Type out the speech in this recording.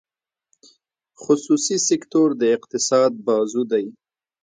خصوصي سکتور د اقتصاد بازو دی.